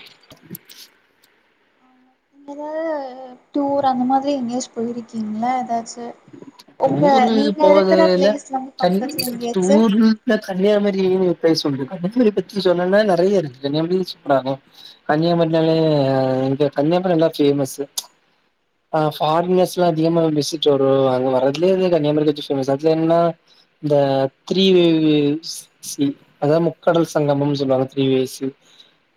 [inaudible] ஹ நீங்க ஏதாவது டூர் அந்த மாதிரி எங்கேயாச்சும் போயிருக்கீங்களா ஏதாச்சும் ஊர் போதுல வந்து பக்கத்துல எங்கேயாச்சு டூர்ல கன்னியாமரினு பிளேஸ் உண்டு கன்னிய பத்தி சொன்னன்னா நெறையருக்கு கன்னியாகுரி சூப்பர் ஆகும் கன்னியாகுமரினாலே இங்க கன்னியாகுரி நல்லா பேமஸ்ஹபாரினர்ஸ் லாம் அதிகமா விசிட் வரும் அங்க வர்து [unintelligible] த்ரீ வேவ்ஸ் சி அதான் முக்கடல் சங்கமம்னு சொல்லுவாங்க த்ரீ வேவ்ஸ்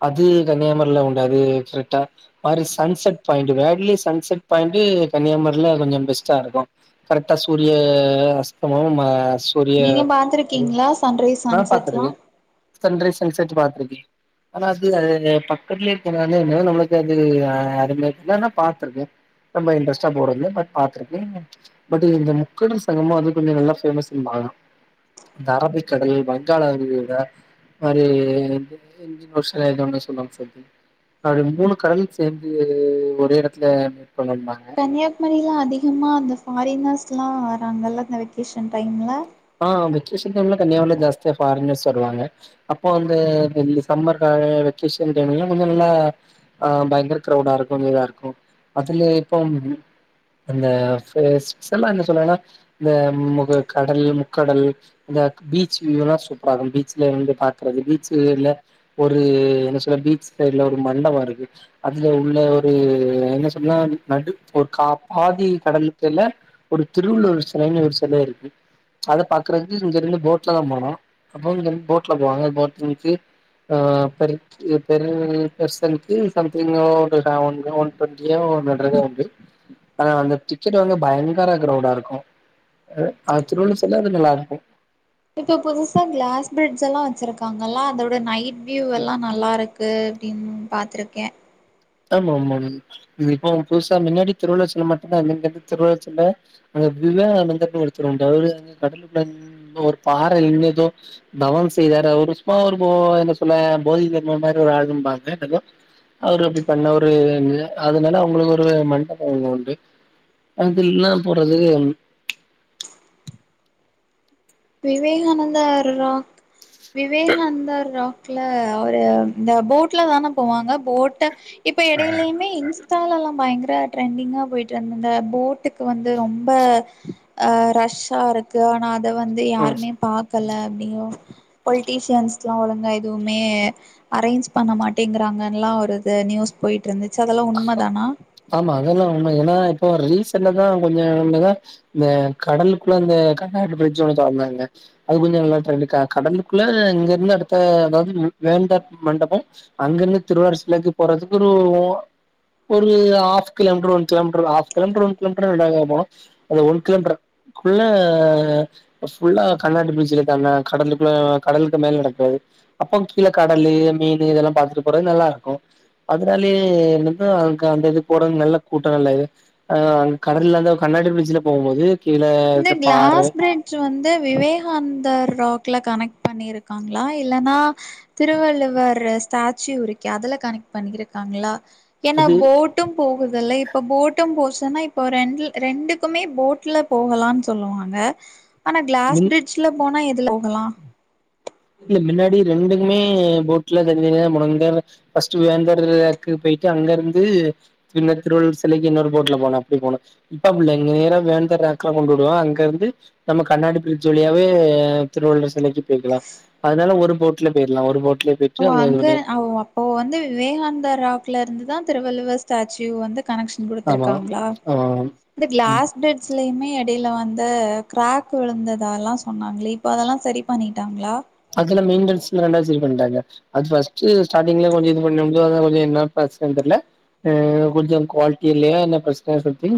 அது கன்னியாகுமர்ல உண்டாது கரெக்டா மாரி சன்செட் பாயிண்ட் வேடில சன்செட் பாயிண்ட் கன்னியாகுமர்ல கொஞ்சம் பெஸ்ட்டா ருக்கும் கரெக்டா சூரிய அஸ்தமம் சூரிய நீங்க பாத்துருக்கீங்களா சன்ரைஸ் நா பாத்துருக்கே சன்செட்லாம் சன்ரைஸ் சன்சட் பாத்துருக்கேன் ஆனா அது அது பக்கத்துலய இருக்கன என்ன நம்மளுக்கு அது அது ஆனா பாத்திருக்கேன் ரொம்ப இன்ட்ரெஸ்ட்டா போடுல்ல பட் பாத்துருக்கேன் பட் இந்த முக்கடல் சங்கமம் அது கொஞ்சம் நல்லா பேஃமஸ் ம்பாங்க இந்த அரபிக் கடல் வங்காளாவிரிகுடா விட மாதிரி இந்திய ஒருஷ எது ஒ சொல்லுவாங்க சொல்லி மூணு கடல் சேர்ந்து ஒரே இடத்துல கன்னியாகுமரிலாம் அதிகமா அந்த பாரினஸ் லாம் வராங்கல்ல இந்த வெக்கேஷன் டைம்ல ஆஹ் வெகேஷன் டைம் கன்னியாகர் ஜாஸ்தியா பாரினர்ஸ் வருவாங்க அப்போ அந்த சம்மர் வெகேஷன் டைம்லாம் கொஞ்சம் நல்லா ஆஹ் பயங்கர க்ரௌடா இருக்கும் இதா இருக்கும் அதுல இப்போ என்ன சொல்லன்னா இந்த முக்கடல் கடல் இந்த பீச் வியூல்லாம் சூப்பர் ஆகும் பீச்ல வந்து பாக்குறது பீச்சல ஒரு என்ன சொல் பீச்ல இ உள்ள ஒரு மண்டபம் இருக்கு அதுல உள்ள ஒரு என்ன சொன்னா நடு ஒரு கா பாதி கடலுக்குல்ல ஒரு திருவள்ளூர் சிலைன்னு ஒரு சில இருக்கு அதை பாகறது இங்க இருந்து போட்ல தான் போனோம் அப்போ இங்கந்து போட்ல போவாங்க போட்க்கு [unintelligible] அந்த டிக்கெ் வாங்க பயங்கர கிரவுடா இருக்கும்திருவள்ள ல்லது நல்லா இருக்கும் இப்ப புதுசா கிளாஸ் பிரிட்ஜ ல்லாம் வச்சிருக்காங்கல்ல அதோட நைட் வியூ எல்லாம் நல்லாருக்கு அப்படின்னு பாத்துருக்கேன் ஆமா ஆமா ஆ இப்போ புதுசா முன்னாடி திருவள்ளுவர் செலமட்டும்தான் அந்து திருவள்ளாச்சல அங்க விவேகானந்தர்னு ஒருத்தர் அவரு கடலு ஒரு பாறை இனதோ தவம் செய்தாரு அவர் சும்மா ஒரு என்ன சொல்ல போதிதர்மர் மாதிரி ஒரு ஆழும்பாங்க அவரு அப்படி பண்ண ஒரு அதனால அவங்களுக்கு ஒரு மண்டபம்ங்க உண்டு அதுல்லாம் போறது விவேகானந்தரா விவேகாந்தர் ரா ல ஒரு இந்த போட்ல தானே போவாங்க போட்ட இப்போ இடையிலயுமே இன்ஸ்டால எல்லாம் பயங்கர ட்ரெண்டிங்காக போய்டிட்டு இருந்த இந்த பூட்டுக்கு வந்து ரொம்பஹ ரஷ்ஷா இருக்கு ஆனா அத வந்து வந்து ம் யாருமே பாக்கல அப்படியோ பொலிட்டிஷியன்ஸ் எல்லாம் ஒழுங்கா எதுவுமே அரேஞ்ச் பண்ண மாட்டேங்குறாங்கல்லாம் ஒரு நியூஸ் போயிட்டு இருந்து ஆமா அதெல்லாம் உண்மை ஏன்னா இப்போ ரீசண்டாக தான் கொஞ்சம் நல்லதான் இந்த கடலுக்குள்ள இந்த கண்ணாடி பிரட்ஜ் ஒன்று தொடர்ந்தாங்க அது கொஞ்சம் நல்லா டரெண்டுக்கா கடலுக்குள்ள இங்க இருந்து அடுத்த அதாவது வேந்தா மண்டபம் அங்க இருந்து திருவாரூர் சிலைக்கு போறதுக்கு ஒரு ஒரு ஹாஃப் கிலோமீட்டர் ஒ கிலோமீட்டர் கிலோமீட்டர் ஒ கிலோமீட்டர் போனும் அது ஒ புல்லா கண்ணாடி பீச்சுல கடலுக்குள்ள கடலுக்கு மேல நடக்காது அப்போ கீழே கடலு மீன் இதெல்லாம் பார்த்துட்டு போறது நல்லா இருக்கும் அதனாலயே அதுக்கு அந்த இது போறது நல்ல கூட்டம் நல்லா இதுஹ அங்க கடல இருந்து கண்ணாடி பிரிட்ஜ்ல போகும் போது இந்த கிளாஸ் பிரட்ஜ் வந்து விவேகானந்தர் ராக் கனெக்ட் பண்ணியிருக்காங்களா இல்லைன்னா திருவள்ளுவர் ஸ்டாச்சு உரிக்கு அதுல கனெக்ட் பண்ணிருக்காங்களா ஏன்னா அது போட்டும் போகுதல்ல இப்ப போட்டும் போ இப்போ ரெண்டு ரெண்டுக்குமே போட்ல போகலான்னு சொல்லுவாங்க ஆனா கிளாஸ் மின் பிரிட்ஜ்ல போனா இல போகலாம் இல்ல முன்னாடி ரெண்டுமே போட்ல தனிதனியா முன்னாடி வேந்தர்க்குக்கு போயிட்டு அங்க இருந்துன் திருவள்ளுவர் சிலைக்கு இன்னொரு போட்ல போன அ போன இப்ப நேரம் வேந்தலாம் கொண்டு விடுவ அங்க இருந்து நம்ம கண்ணாடி பிரிட்ஜ் வழியாவே திருவள்ளுவர் சிலைக்கு போய்க்கலா ஒரு போட்ல போயிடலாம் ஒரு போட் அங்க அப்போ வந்து விவேகானந்தர் ராக்ல இருந்து தான் திருவள்ளுவர் ஸ்டாச்சூ வந்து கனெக்ஷன் ஆமா கொடுத்துருக்காங்களா ஆ இந்த ம் கிளாஸ் பட்ஸ்லயுமே இடையில வந்து கிரக் விழுந்ததல்லாம் சொன்னாங்களே இப்ப அதெல்லாம் சரி பண்ணிட்டாங்களா அதெல்லாம் மெயின்டண்ஸ் பஸ்ட் ஸ்டாரிங்கள கொஞ்ச இதுபண்ணி கொஞ்சம் என்ன பிரச்சனை தெரியலஹ கொஞ்சம் குவாலிட்டி இல்ல என்ன பிரச்சனை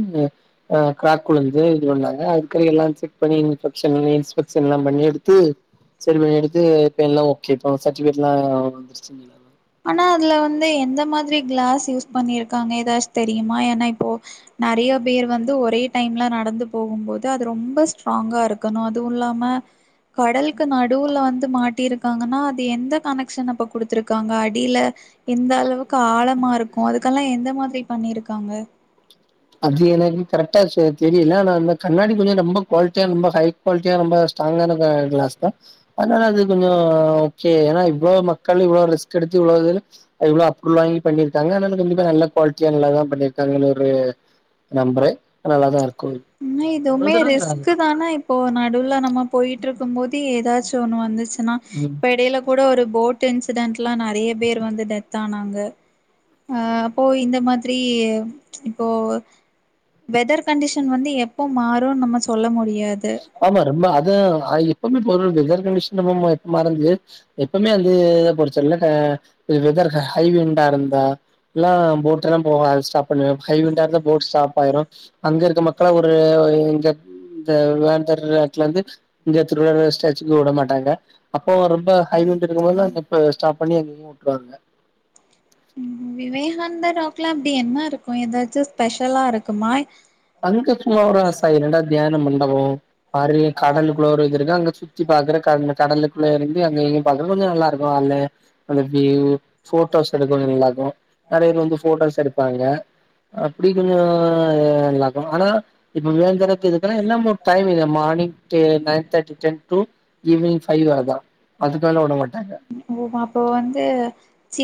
ஹ் கிராக் விழுந்து இது பண்ணாங்க அதுக்க எல்லாம் செக் பண்ணி இன்பஷ இன்ஸ்பெக்க்ஷன் எல்லாம் பண்ணி எடுத்து சரி பண்ணி எடுத்து இப்ப எல்லாம் ஓகே இ சரிபிகேட்லாம் வந்துச்சு ஆனா அதுல வந்து எந்த மாதிரி கிளாஸ் யூஸ் பண்ணிருக்காங்க ஏதாச்சும் தெரியுமா ஏன்னா இப்போ நிறைய பேர் வந்து ஒரே டைம்ல நடந்து போகும் போது அது ரொம்ப ஸ்ட்ராங்கா இருக்கணும் அதுவும் இல்லாம கடலுக்கு நடுவுல வந்து மாட்டிருக்காங்கன்னா அது எந்த கனெக்ஷன் அப்ப குடுத்துருக்காங்க இல்ல எந்த அளவுக்கு காலமா இருக்கும் அதுக்கெல்லாம் எந்த மாதிரி பண்ணியிருக்காங்க அது ஏனாது கரெ்ட் தெரியல நான் அந்த கண்ணாடி கொஞ்சம் ரொம்ப குவாலிட்டியா ரொம்ப ஹை குவாலிட்டியா ரொம்ப ஸ்ட்ராங்கான கிளாஸ் தான் அதனால அது கொஞ்சம் ஓகே ஏன்னா இவ்வளோ மக்கள் இவ்வளோ ரிஸ்க் எடுத்து இவ்ளவு இவ்ளோ அப்படிள்ளாங்கி பண்ணிருக்கு கங்கனாலும் கண்டிப்பா நல்ல குவாலிட்டியா நல்லா தான் பண்ணிருக்காங்க ஒரு நம்புறேன் நல்லாதான் இருக் ங்க இதுவுமே ரிஸ்க் தானே இப்போ நடுவுல நம்ம போயிட்டு இருக் கும் போது ஏதாச்சும் ஒன்னு வந்துச்சு னா ம். இப்ப இடயில கூட ஒரு போட் டு இன்சிடென்ட் எல்லாம் நெறைய பேர் வந்து டெத் ஆனாங்க அப்போ இந்த மாதிரி இப்போ வெதர் கண்டிஷன் வந்து எப்போ மாறும் நம்ம சொல்ல முடி ஆமா ரொம்ப அதான் ஆயி எப்போமே வெதர் கண்டஷன் மறந்து எப்பவுமே [unintelligible] வந்து வச்ச ஹண்டா இருந்தா எல்லாம் போட் எல்லாம் போகா [unintelligible] ஹைவிண்டா இருந்தா போர் ஸ்டாப் ஆயிரும் அங்க இருக்க மக்கள ஒரு எங்க இந்த வேந்தர் வந்து இங்க திருடர் ஸ்டச்சுக்கு விட மாட்டாங்க இப்ப ரொம்ப ஹைவண்ட் இருக்கும் போதுதான் இப்ப ஸ்டாப் பண்ணி அங்க இங்கயும் விட்டுருவாங்க அந்த ராக் எலாம் அப்டி என்ன இருக்கும் ஏதாச்சும் ஸ்பெஷலா இருக்குமா அங்க சும்மா ஒரு சாய் என்னடா தியானம் பண் ஓ பாரிலி கடலு குலோரேஜ் தான் இருக்கு அங்க சுத்தி பாக்குற கட கடலுக்குள்ள இருந்து அங்க இங்கயும் பாக்குற கொஞ்சம் நல்லா இருக்கும் அல அலைக்கு போட்டோஸ் எடுக்கும் நல்லாக்கும் நெறய வந்து போட்டோஸ் எடுப்பாங்க அப்டி கொஞ்சம் ஆனா இப்பவே இந்தளவு இருக்குன்னா இன்னமும் டைம் இல்ல மார்னிங்கே nine thirty ten two evening five வேதான் அதுக்கல விட மாட்டாங்க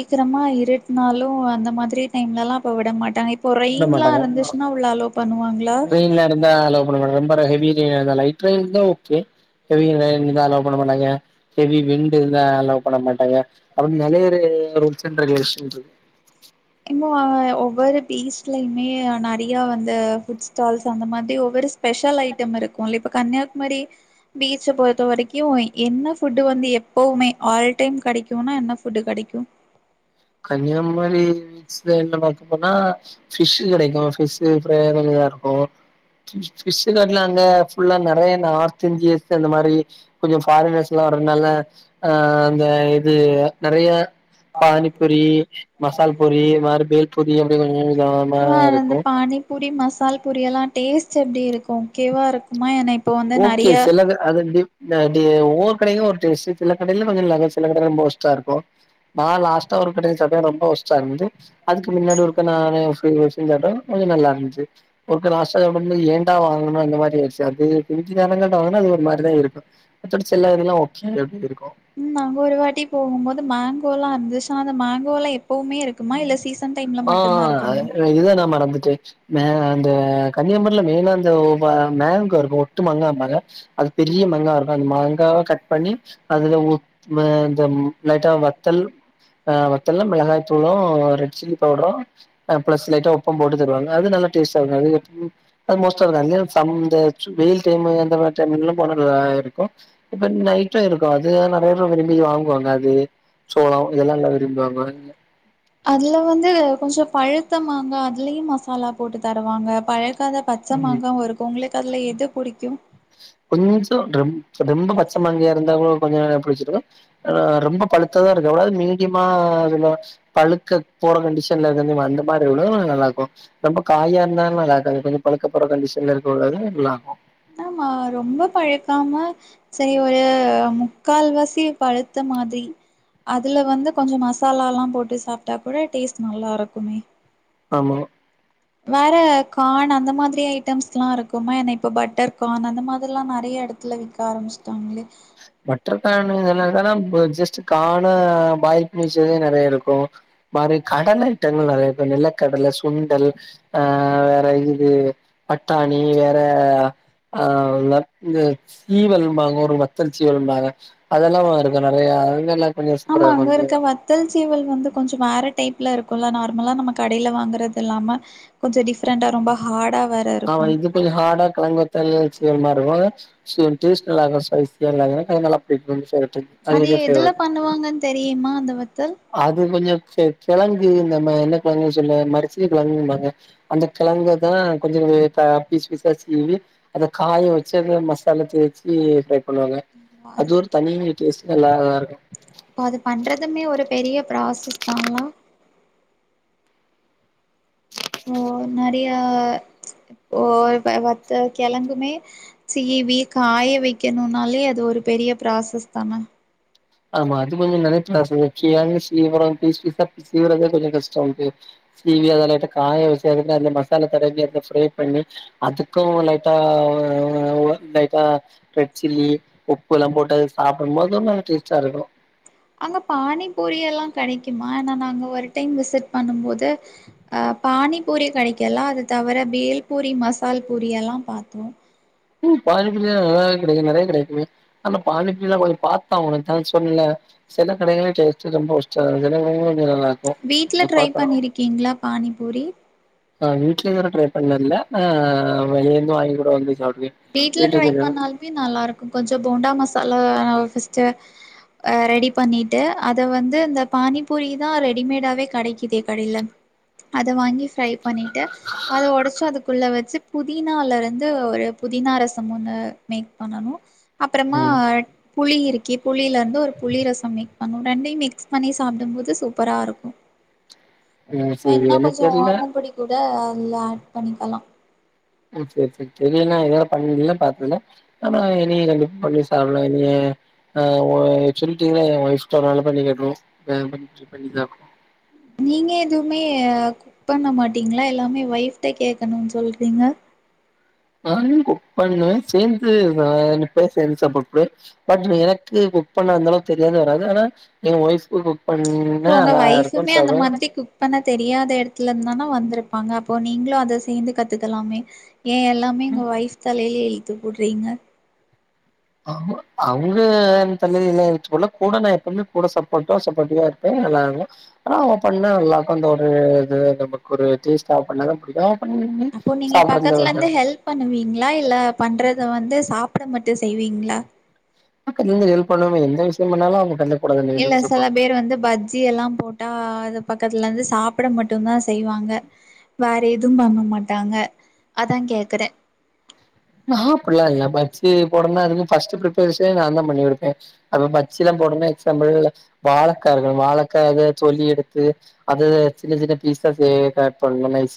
க்கிரமா இருட்டு நாளும் அந்த மாதிரி டைம்ல எல்லாம் இப்ப விட மாட்டாங்க விட ரெயின்லாம் மாட்டாங்க இருந்துச்சுன்னா உள்ள அலோ பண்ணுவாங்களா ட்ரெயின்ல இருந்தா அலோ பண்ண [unintelligible] லைட் ரெயினா ஓகே பெரிய ரெயின் அலோ பண்ணமாட்டாங்க ஹெவி விண்டு இருந்தா அலோ பண்ணமாட்டாங்க அதுவும் நைய ரூல்ஸ் அண்டு ரெகுலேசன்ஸ் இருக்கும் இல்ல ஒவ்வொரு பீச்லயுமே நெறய வந்து ஃபுட் ஸ்டால்ஸ் அந்த மாரி ஒவ்வொரு ஸ்பெஷல் ஐட்டம் இருக்கும் இல்ல இப்ப கன்னியாகுமரி பீச்ச பொறுத்த வரைக்கும் என்ன ஃபுட் வந்து எப்பவுமே ஆல் டைம் கெடைக்கும்னா என்ன ஃபுட்டு கெடைக்கும் கன்னியாகுமாரி என்ன பாக்க போனா ஃபிஸ்ஷு கெடைக்கும் ஃஸ்பிஷு தான் இருக்கும் ஃபிஸ்ஷு காட்டல அங்க புல்லா நெறய நார்த் இந்தியஸ் அந்த மாரி கொஞ்சம் ஃபாரினர்ஸ் எல்லாம் வர்றதுனால ஆஹ அந்த இது நெறய ஆஹ பூரி மசால் பூரி இந்த மாரி பேல் பூரி நீ எப்டி [unintelligible] ஆஹ வந்து பானி பூரி மா மசால் பூரிய எல்லாம் டேஸ்ட் எப்டி இருக்கும் கேவா இருக்குமா என ஓகே சில அது டி ஒவ்வொரு கடயும் ஒரு டேஸ் சில கடயில கொஞ்சம் ல சில கடயில ரொம்ப ஒஷ்டா இருக்கும் நான் லாஸ்ட்டா ஒரு கட ரொம்ப ஒஸ்டா இருந்தது அதுக்கு முன்னாடி இருக்க நான [unintelligible] கொஞ்சம் நல்லா இருந்துச்சு ஒரு [unintelligible] ஏண்டா வாங்கனும் அந்த மாரி ஆயிடுச்சு அது இங்கிதான் கெட்ட வாங்கன அது ஒரு மாதிரி தான் இருக்கும் மத்தபடி செல்லாத எல்லாம் ஒக்கே அப்படின்னு இருக்கோம் ம் நாங்க ஒரு வாட்டி போகும்போது மேங்கோல்லாம் அந்துச் அந்த மேங்கோல எத் ஆஹ் இருக்குமா இது தான் நான் மறந்து டச் மேல அந்த கன்னியம்மன்ல மேல அந்த மேங்கோ இருக்கும் ஒட்டு மாங்கா என்பாங்க அது பெரிய மங்காய் இருக்கும் அந்த மாங்காவ கட் பண்ணி அதுல லைட்டா வத்தல் அஹ் வத்தலல்லாம் மிளகாய சோளம் ரெட் சில்லி பவுடரும் பிளஸ் லைட்டா உப்பும் போட்டு தருவாங்க அது நல்லா டேஸ்ட்டா இருக்கும் அஅ மோஸ்டா நிறைய சம்த வெயில் டைம் அந்த மாரி டைம் போன நல்லா இருக்கும் இப்ப நைட்டும் இருக்கும் அது [unintelligible] நிறைய விரும்பி வாங்குவாங்க அது சோளம் இதெல்லாம் நல்லா விரும்புவாங்க அதுல வந்து கொஞ்சம் பழு த்தமாங்க அதுலையும் மசாலா போட்டு தருவாங்க பழ பச்சை ம் மாங்கா இருக்குங்களே கடல எது பிடிக்கும் கொஞ்சம் ரம் ரொம்ப பச்சை மாங்காயி இருந்தா கூடோ கொஞ்சநேரம் புடிச்சுடுங்க ரொம்ப பழுத்தத தான் இருக்கு எவ்ளவு மீ முக்கியமா இருல பழுக்க போற கண்டிஷன்ல இருக்க அந்த மாரி எவ்ளோ நல்லா இருக்கும் ரொம்ப காயா இருந்தாலும் நல்லா இருக்காது கொஞ்சம் பழுக்க போற கண்டிஷன்ல இருக்க உள்ளதே நல்லா இருக்கோம் இன்னமா ரொம்ப பழுக்காம சரி ஒரு முக்கால் வாசி பழுத்த மாதிரி அதுல வந்து கொஞ்சம் மசாலாலாம் போட்டு சாப்பிட்டா கூட டேஸ்ட் நல்லா இருக்குமே ஆமா வேற கார்ன் அந்த மாதிரி ஐட்டம்ஸ் எல்லாம் இருக்குமா என்ன்ன இப்ப பட்டர் கார்ன் அந்த மாதிரி எல்லாம் நிறைய இடத்துல விக்க ஆரம்பிச்சுட்டாங்களே பட்டர்கான் நல்லா தானே ஜஸ்ட்டு கான் பைக்மிஷன் நிறைய இருக்கும் மாதிரி கடல ஐட்டங்கள் நிறைய இருக்கும் நிலக்கடலை சுண்டல் அஹ் வேற இது பட்டாணி வேற ஆஹ் இது சீவல் மாங்கா ஒரு ரூபா திருச்சி வரும்பாக அதெல்லாம் வா இருக்க நிறைய அங்க எல்லாம் கொஞ்ச சூப்பரா இருக்கும் கொஞ்சம் வேர டைப்ல இருக்கும்ல்ல நார்மலா நம்ம கடையில் வாங்கறது இல்லாம கொஞ்சம் டிஃப்ரெண்டா ரொம்ப ஹார்டா வேற ஆமா இருக்கு இது கொஞ்சம் ஹாடா [unintelligible] [unintelligible] சோ டேஸ்ட் நல்லா இருக்கும் ஸ்பைசியா நல்லா ப்ரிப்ரின்ஸ் இருக்கு [unintelligible] அது எதுல பண்ணுவாங்கன்னு தெரியுமா அந்த வத் அது கொஞ்சம் சே கிழங்கு இந்த என்ன கிழங்கு சொல்ல மரிசில் கிழங்கு என்பாங்க கிழங்கு தான் கொஞ்சம் ப பீஸ் பீஸ்சா சீவி அது காய வச்சு அது மஸ் தல தேச்சி டெட் பண்ணுவாங்க அது ஒரு தனி [unintelligible] எல்லாரும் நல்லா இருக்கோம் இப்ப அது பண்றதுமே ஒரு பெரியப் பிரசாஸ்தான்ல ஓ நிறைய வத்த கிழங்குமே சி வ கா காய வைக்கணும்னாலே அது ஒரு பெரிய ப்ராசஸ் தானே ஆமா [unintelligible] அது கொஞ்சம் நினைச சீவிரம் பீஸ் பீா சீவரதே கொஞ்சம் கஷ்டம்க்கு சீவி அதை லைட்டா காய வச்சந்த மசாலா தடவிி அத ஃப்ரை பண்ணி அதுக்கும் ட்டா லைட்டா ரெட் சில்லி உப்பு எல்லாம் போட்டது சாப்பிடும் போது சரிப்ப [unintelligible] அங்க பானி பூரிய எல்லாம் கிடக்கு ஏன்னா நாங்க ஒரு டைம் விசிட் பண்ணும் போது அஹ பானிபூரி கிடைக்கல அது தவிர வேல் பூரி மசால் பூரி எல்லாம் பா்த்தோம் உ பானிப்புரியாம் நல்லாவே கிடைக்கும் நிறைய கிடைம ஆனா பானிப்புரிய எல்லாம் கொஞ்சம் பார்த்தா உ சொன்ன சில கடைகளேடேஸ்ட்டு ரொம்ப ஒஸ்ட ரொம்ப ஒஸ்ட சில கடையில வீட்ல ட்ரை பண்ணிருக்கீங்களா பாணி புரி ஆஹ வீடல ட்ரை பண்ண இல ஆஹ வெளையந்து வாங்கி கூட வந்து சாப்டுவே வீட்ல ட்ரை வீட்டுக்கு பண்ணாலமோ நல்லா இருக்கும் கொஞ்சம் போண்டா மசாலா பஸ்ட் ரெடி பண்ணிட்டு அதை வந்து இந்த பானி புரிதான் ரெடிமேடாவே கிடைக்குிது படிலம் அதை வாங்கி ஃப்ரை பண்ணிட்டு அதை உடைச்சு அதுக்குள்ளே வச் புதினால இருந்து ஒரு புதினா ரசம் ஒன்னு மேக் பண்ணணும் அப்புறமா ம் புழி இருக்கி புளியிலருந்து ஒரு புளி ரசம்மி ங்க ரெண்டடையும் மிக்ஸ் பண்ணி சாப்பிடும்பது சூப்பரா இருக்கும் உஹம் சரி என்னதோர்ழ த ஆட் பண்ணிக்கலாம் சோரி சோ [unintelligible] ரி தெரிய நா இதாலும் பண்ணன்ன பத்துதல ஆனா இன கண்டிப்பா பண்ணி சாப்பலாம் நீன ஆஹ் சொல்லிட்டீங்க என் ஒய ஒருனால பண்ணி கட்டுற பண்ணி தான் இருோம் நீங்க எதுவுமே குக் பண்ண மாட்டீங்களா எல்லாமே ஒயஃப்ட கேட்கணும்னு சொல்றீங்க ஆ குக் பண்ணுவன் சேர்ந்து பேய் சேர்ந்து சாப்படு பட் எனக்கு குக் பண்ண இருந்தாலும் தெரியாத வராது ஆனா என் ஒய்ஃ இப்ப உங்க வயசுமே அந்த மாதிரி குக் பண்ண தெரியாத இடத்துல இருந்தானே வந்திருப்பே ப்பங்க அப்போ நீங்களும் அதை சேர்ந்து கத்துக்கலாமே ஏன் எல்லாமே எங்கள் ஒயஃப் தலையில எழு போடுறீங்க அவங்க தள்ளில போல கூட நான் எப்புமே கூட சப்போட்ட சப்போர்டிவா இருப்பேன் நல்லா இரு ஆனா அவன் பண்ணா நல்லாருக்கும் அ ஒரு இது நமக்கு ஒரு டேஸ பண்ணாதான் பிடிக்கும் அப்போ நீங்க பக்கத்துல இருந்து ஹெல்ப் பண்ணுவீங்களா இல்ல பண்றத வந்து சா சப்புட மட்டும் செய்வீங்களா தி ஹெல் பண்ணுவே எந்த விஷயம் பண்ணாலும் அவங்க க இல்ல சில பேர் வந்து பஜ்ஜி எல்லாம் போட்டா பக்கத்துல இருந்து சாப்பிட மட்டும்தான் செய்வாங்க வேற எதுவும் பங மாட்டாங்க அதான் கே்கறேன் நா அப்படில்லாம் இல்ல பாச்சி போடனா அதுக்கு பஸ்டு பிப்ரேசன்னே நான் தான் பண்ணி கொடுப்பேன் அப்ப எல்லாம் போடன எக்சாம்பிள் வாழைக்கா வாழைக்க அதை சொல்லி எடுத்து அதா சின்ன சின்ன பீஸா காட் பண்ணும்